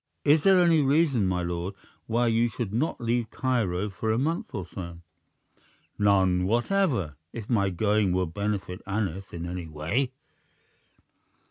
Is there any reason, my lord, why you should not leave Cairo for a month or so?" "None whatever, if my going will benefit Aneth in any way."